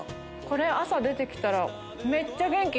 これ朝出て来たら。